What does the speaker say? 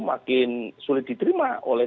makin sulit diterima oleh